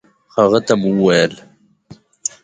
هغه ته مو وويل